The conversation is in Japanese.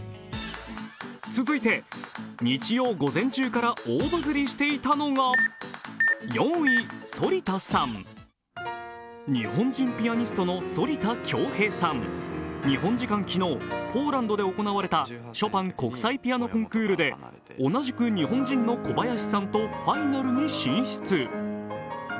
続いて、日曜午前中から大バズりしていたのが、４位、反田さん。日本人ピアニストの反田恭平さん。日本時間昨日、ポーランドで行われたショパン国際ピアノコンクールで同じく日本人の小林さんとファイナルに進出。